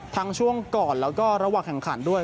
ช่วงก่อนแล้วก็ระหว่างแข่งขันด้วย